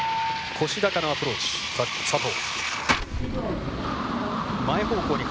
腰高のアプローチ、佐藤。